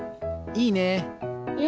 いいね！